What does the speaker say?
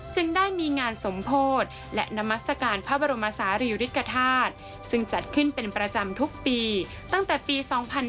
จึงได้มีงานสมโพธิและนามัศกาลพระบรมศาลีริกฐาตุซึ่งจัดขึ้นเป็นประจำทุกปีตั้งแต่ปี๒๕๕๙